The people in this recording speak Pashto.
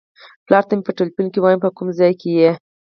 پلار ته مې په ټیلیفون کې وایم په کوم ځای کې یې.